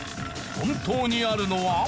本当にあるのは。